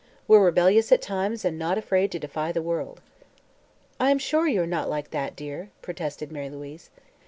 We're rebellious, at times, and not afraid to defy the world." "I'm sure you are not like that, dear," protested Mary Louise.